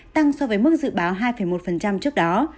tăng so với mức dự báo hai một trước đó